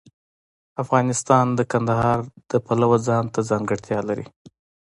افغانستان د کندهار د پلوه ځانته ځانګړتیا لري.